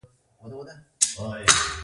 آیا د پښتورګو پیوند کیږي؟